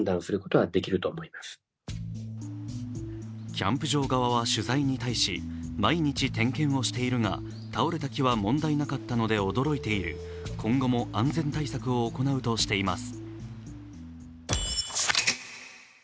キャンプ場側は取材に対し毎日点検をしているが倒れた木は問題なかったので驚いている、今後も安全対策を行うとしています。